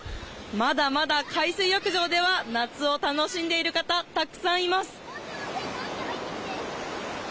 まだまだ海水浴場では夏を楽しんでいる方たくさんいます。